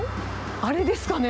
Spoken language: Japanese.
あれですかね？